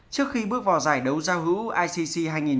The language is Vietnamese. trước khi bước vào giải đấu giao hữu icc hai nghìn một mươi tám